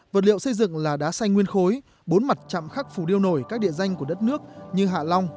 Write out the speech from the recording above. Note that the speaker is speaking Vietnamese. vật liệu xây dựng là đá xanh nguyên khối bốn mặt chạm khắc phủ điêu nổi các địa danh của đất nước như hạ long